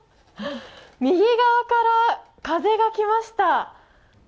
右側から風が来ました。